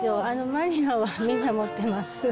マニアはみんな持ってます。